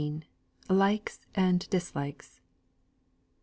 LIKES AND DISLIKES.